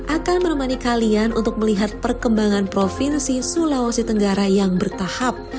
akan menemani kalian untuk melihat perkembangan provinsi sulawesi tenggara yang bertahap